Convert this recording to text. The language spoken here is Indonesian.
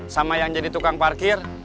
sama yang jadi tukang parkir